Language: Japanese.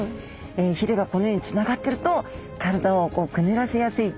ひれがこのようにつながってると体をくねらせやすい。